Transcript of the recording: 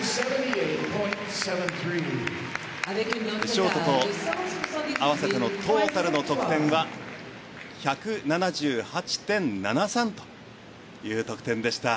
ショートと合わせてのトータルの得点は１７８．７３という得点でした。